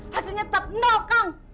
hasilnya tetap nol kang